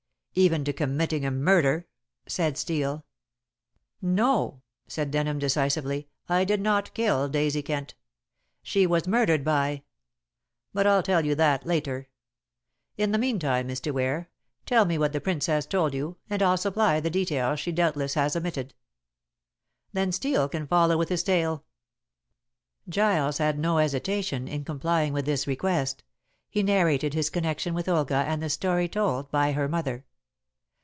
"Even to committing a murder," said Steel. "No," said Denham decisively; "I did not kill Daisy Kent. She was murdered by but I'll tell you that later. In the meantime, Mr. Ware, tell me what the Princess told you, and I'll supply the details she doubtless has omitted. Then Steel can follow with his tale." Giles had no hesitation in complying with this request. He narrated his connection with Olga and the story told by her mother.